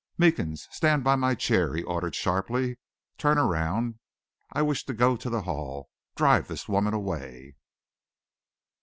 "Meekins, stand by my chair," he ordered sharply. "Turn round; I wish to go to the Hall. Drive this woman away."